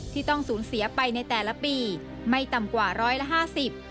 ที่ต้องสูญเสียไปในแต่ละปีไม่ต่ำกว่าร้อยละห้าสิบ